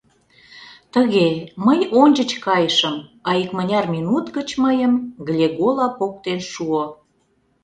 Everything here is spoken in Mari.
Тыге, мый ончыч кайышым, а икмыняр минут гыч мыйым Глегола поктен шуо.